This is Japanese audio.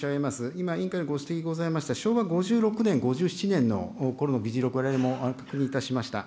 今委員からご指摘ございました昭和５６年、５７年ころの議事録も確認いたしました。